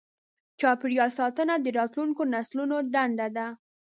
چاپېریال ساتنه د راتلونکو نسلونو دنده ده.